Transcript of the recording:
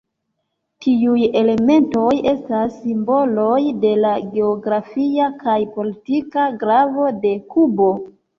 Tiuj elementoj estas simboloj de la geografia kaj politika gravo de Kubo.